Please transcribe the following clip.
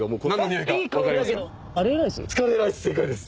カレーライス正解です。